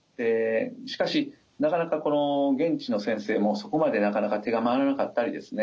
しかしなかなか現地の先生もそこまでなかなか手が回らなかったりですね